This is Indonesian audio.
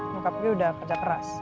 bokap gue udah kerja keras